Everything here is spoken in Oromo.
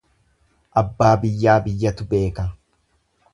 Abbaa biyyaa biyyatu beeka.